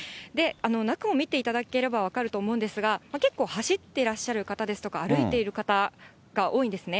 中を見ていただければ分かると思うんですが、結構、走ってらっしゃる方ですとか、歩いている方が多いんですね。